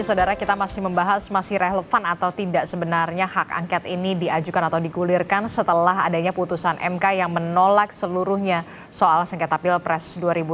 saudara kita masih membahas masih relevan atau tidak sebenarnya hak angket ini diajukan atau digulirkan setelah adanya putusan mk yang menolak seluruhnya soal sengketa pilpres dua ribu dua puluh